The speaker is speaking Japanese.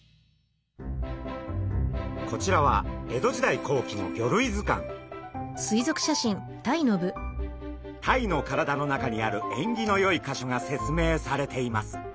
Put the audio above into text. こちらは江戸時代後期のタイの体の中にある縁起のよいかしょが説明されています。